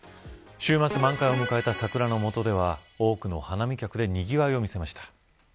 週末満開を迎えた桜のもとでは多くの花見客でにぎわいを見せました。